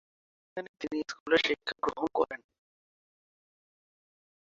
সেখানেই তিনি স্কুলের শিক্ষা গ্রহণ করেন।